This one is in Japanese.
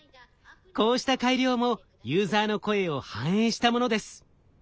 こうした改良もユーザーの声を反映したものです。